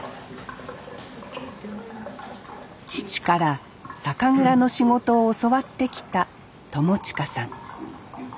父から酒蔵の仕事を教わってきた朋慈さん